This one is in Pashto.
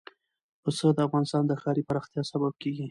پسه د افغانستان د ښاري پراختیا سبب کېږي.